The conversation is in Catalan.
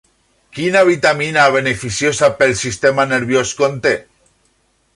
Quina vitamina, beneficiosa pel sistema nerviós, conté?